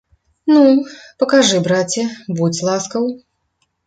Ну, пакажы, браце, будзь ласкаў.